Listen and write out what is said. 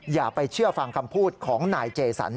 อย่าไปเชื่อฟังคำพูดของนายเจสัน